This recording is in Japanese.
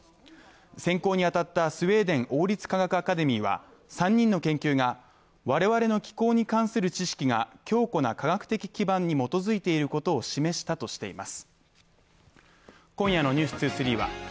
選考に当たったスウェーデン王立科学アカデミーは３人の研究が我々の気候に関する知識が強固な科学的基盤に基づくものと示したとしています。